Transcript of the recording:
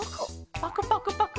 パクパクパク。